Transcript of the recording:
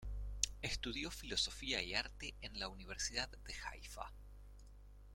Estudió filosofía y arte en la Universidad de Haifa.